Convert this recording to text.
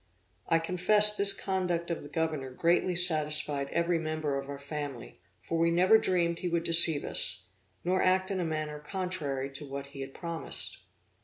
I confess this conduct of the governor greatly satisfied every member of our family; for we never dreamed he would deceive us, nor act in a manner contrary to what he had promised.